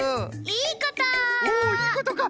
いいことか！